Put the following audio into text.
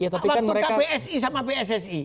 waktu kbsi sama pssi